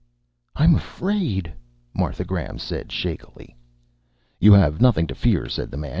"I'm afraid," Martha Graham said shakily. "You have nothing to fear," said the man.